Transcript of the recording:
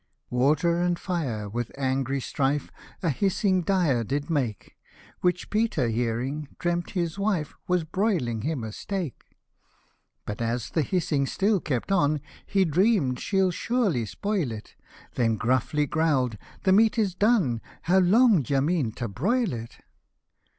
Water and fire with angry strife, A hissing dire did make ; Which Peter hearing, dream'd his wife Was broiling him a steak. 103 But as the hissing still kept on, He dream'd she'll surely spoil it ; Then gruffly growl'd, " the meat is done, How long d'ye mean to broil it